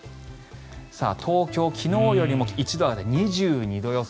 東京、昨日よりも１度上がって２２度予想。